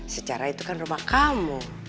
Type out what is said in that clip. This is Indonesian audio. sejarah itu kan rumah kamu